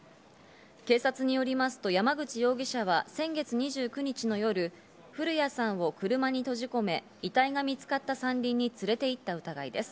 警察によりますと山口容疑者は先月２９日の夜、古屋さんを車に閉じ込め遺体が見つかった山林に連れて行った疑いです。